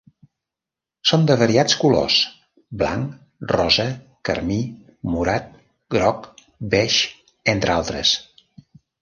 Són de variats colors: blanc, rosa, carmí, morat, groc, beix, entre altres.